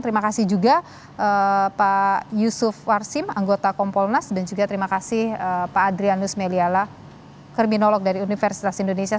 terima kasih juga pak yusuf warsim anggota kompolnas dan juga terima kasih pak adrianus meliala kriminolog dari universitas indonesia